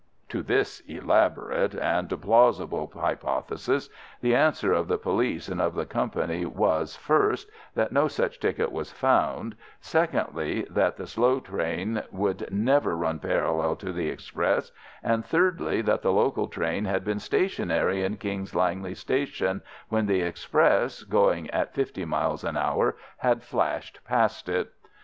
To this elaborate and plausible hypothesis the answer of the police and of the company was, first, that no such ticket was found; secondly, that the slow train would never run parallel to the express; and, thirdly, that the local train had been stationary in King's Langley Station when the express, going at fifty miles an hour, had flashed past it.